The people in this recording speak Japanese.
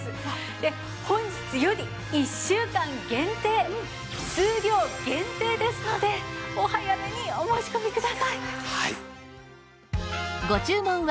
で本日より１週間限定数量限定ですのでお早めにお申し込みください。